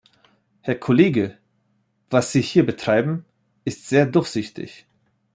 Herr Kollege, was Sie hier betreiben, ist sehr durchsichtig.